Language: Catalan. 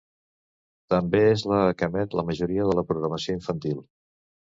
També és la que emet la majoria de la programació infantil.